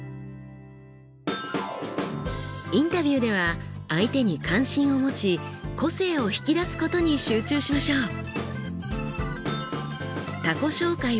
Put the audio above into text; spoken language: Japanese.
インタビューでは相手に関心を持ち個性を引き出すことに集中しましょう。